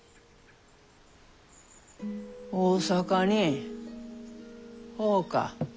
大坂にほうか。